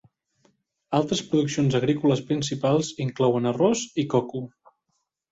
Altres produccions agrícoles principals inclouen arròs i coco.